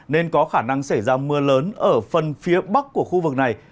nên có khả năng xảy ra mưa lớn ở phần phía bắc của khu vực này